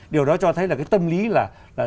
điều đó cho thấy là cái tâm lý là